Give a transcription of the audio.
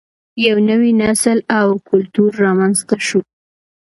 یو نوی نسل او کلتور رامینځته شو